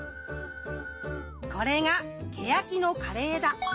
これがケヤキの枯れ枝。